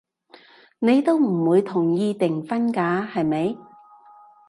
你都唔會同意訂婚㗎，係咪？